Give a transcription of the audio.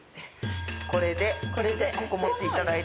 これでこれでここ持っていただいて。